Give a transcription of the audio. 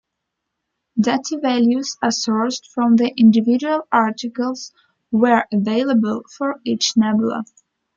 Data values are sourced from the individual articles, where available, for each nebula.